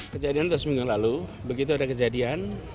kejadian sudah seminggu lalu begitu ada kejadian